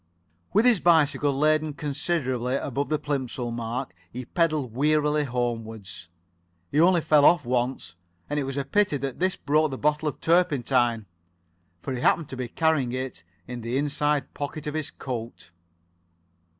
With his bicycle laden considerably above the Plimsoll mark, he pedalled wearily homewards. He only fell off once, and it was a pity that this broke the bottle of turpentine, for he happened to be carrying it in the inside pocket of his coat.